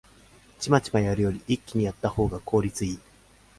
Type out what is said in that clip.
チマチマやるより一気にやったほうが効率いい